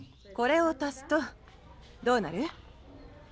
これを足すとどうなる？